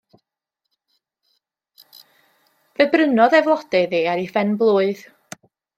Fe brynodd e flode iddi ar 'i phen-blwydd.